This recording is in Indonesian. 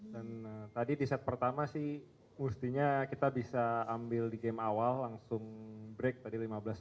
tadi di set pertama sih mestinya kita bisa ambil di game awal langsung break tadi lima belas tiga puluh